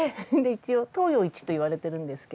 一応東洋一といわれてるんですけど。